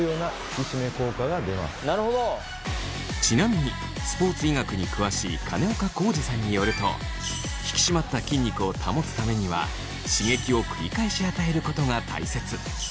ちなみにスポーツ医学に詳しい金岡恒治さんによると引き締まった筋肉を保つためには刺激を繰り返し与えることが大切。